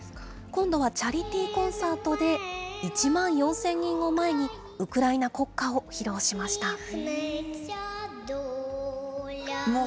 今度はチャリティーコンサートで、１万４０００人を前にウクライナ国歌を披露しました。